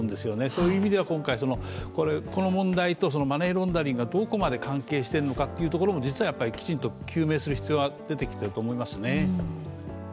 そういう意味では今回、この問題とマネーロンダリングがどこまで関係しているかというところを実はきちんと究明する必要が出てきていると思いますね。